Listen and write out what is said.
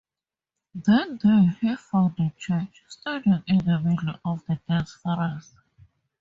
Then, there he found the church, standing in the middle of the dense forest.